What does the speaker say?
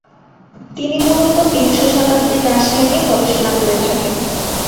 তিনি মূলত বিংশ শতাব্দীর রাশিয়া নিয়ে গবেষণা করে থাকেন।